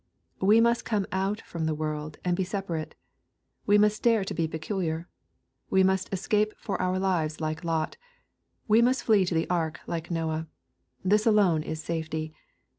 We must come out from the world and be separate. We must dare to be peculiar. We must es cape for our lives like Lot. We must flee to the ark like Noah. This alone is safety.